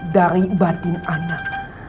dari batin anak